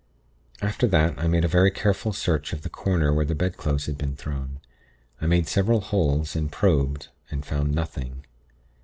After that, I made a very careful search of the corner where the bedclothes had been thrown. I made several holes, and probed, and found nothing.